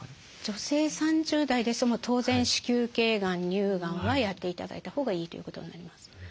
女性３０代ですと当然子宮頸がん乳がんはやって頂いたほうがいいということになります。